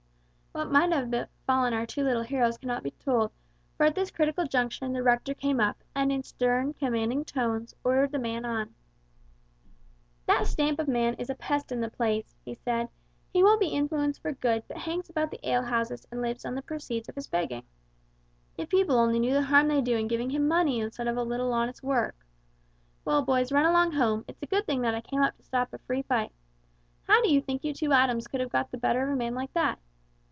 What might have befallen our two little heroes cannot be told, for at this critical juncture the rector came up, and in stern, commanding tones ordered the man on. "That stamp of man is a pest in the place," he said; "he won't be influenced for good but hangs about the ale houses and lives on the proceeds of his begging. If people only knew the harm they do in giving him money instead of a little honest work! Well, boys, run along home, it's a good thing I came up to stop a free fight. How do you think you two atoms could have got the better of a man like that?